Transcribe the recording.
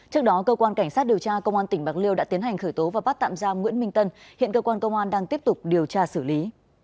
trước đó cơ quan cảnh sát điều tra công an tỉnh bạc liêu đã tiến hành khởi tố và bắt tạm giam nguyễn minh tân hiện cơ quan công an đang tiếp tục điều tra xử lý